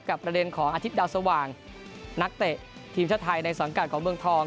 ประเด็นของอาทิตย์ดาวสว่างนักเตะทีมชาติไทยในสังกัดของเมืองทอง